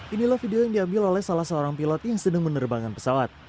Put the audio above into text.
inilah video yang diambil oleh salah seorang pilot yang sedang menerbangkan pesawat